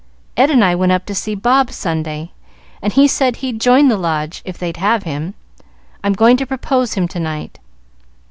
Ed and I went up to see Bob, Sunday, and he said he'd join the Lodge, if they'd have him. I'm going to propose him to night."